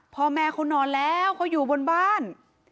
พ่อแม่เขานอนแล้วเขาอยู่บนบ้าน